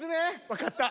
わかった。